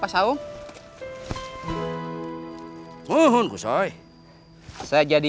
tanahnya mudah lagi tembondol